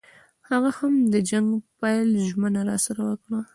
هغه هم د جنګ پیل ژمنه راسره وکړه.